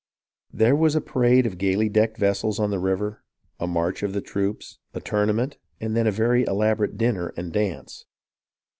There was a parade of gayly decked vessels on the river, a march of the troops, a tournament, and then a very elaborate dinner and dance.